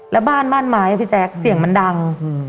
แล้วบ้านบ้านไม้พี่แจ๊คเสียงมันดัง